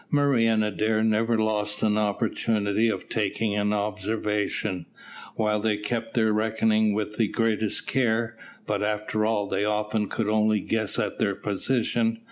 Murray and Adair never lost an opportunity of taking an observation, while they kept their reckoning with the greatest care; but, after all, they often could only guess at their position.